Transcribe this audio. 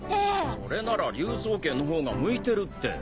それなら竜爪拳の方が向いてるって！